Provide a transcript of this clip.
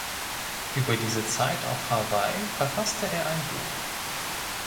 Über diese Zeit auf Hawaii verfasste er ein Buch.